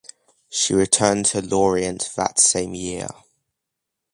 She returned to Lorient that same year.